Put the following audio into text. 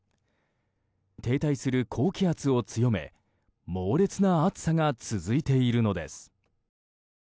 停滞する高気圧を強め猛烈な暑さが続いているのです。